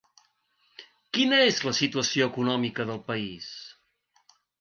Quina és la situació econòmica del país?